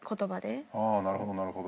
あなるほどなるほど。